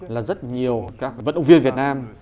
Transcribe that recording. là rất nhiều các vận động viên việt nam